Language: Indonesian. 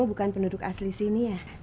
bukan penduduk asli sini ya